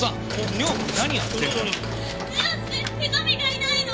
剛瞳がいないの。